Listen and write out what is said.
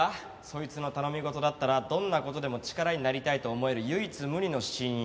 そいつの頼み事だったらどんな事でも力になりたいと思える唯一無二の親友。